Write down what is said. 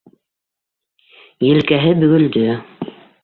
Елкәһе бөгөлдө.